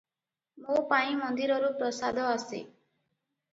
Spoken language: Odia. ମୋ ପାଇଁ ମନ୍ଦିରରୁ ପ୍ରସାଦ ଆସେ ।